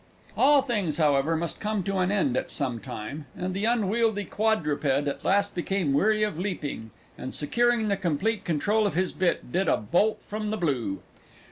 All things, however, must come to an end at some time, and the unwieldy quadruped at last became weary of leaping and, securing the complete control of his bit, did a bolt from the blue.